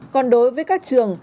còn đối với các trường